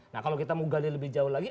nah kalau kita menggali lebih jauh lagi